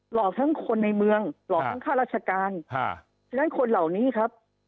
หลอกทั้งค่ารัชการฉะนั้นคนเหล่านี้ครับ